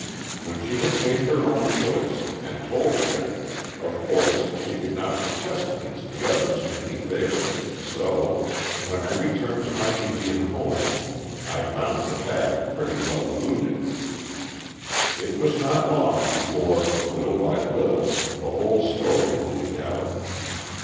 When she had made her own choice, and told of it, of course she could not protest against the others making theirs, so, when I returned to my Indian home I found the bag pretty well looted. It was not long before, little by little, the whole story leaked out.